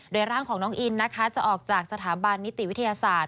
โดยร่างของน้องอินนะคะจะออกจากสถาบันนิติวิทยาศาสตร์